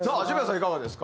いかがですか？